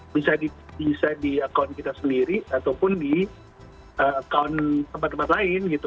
bisa di akun kita sendiri ataupun di account tempat tempat lain gitu